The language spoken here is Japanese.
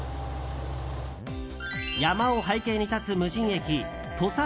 山を背景に立つ無人駅土佐